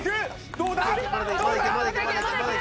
どうだ？